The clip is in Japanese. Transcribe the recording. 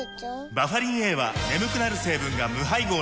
バファリンＡは眠くなる成分が無配合なんです